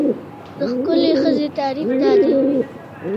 د ښکلې ښځې تعریف دا دی.